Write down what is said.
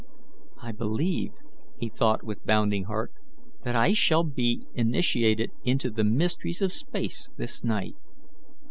"I believe," he thought, with bounding heart, "that I shall be initiated into the mysteries of space this night."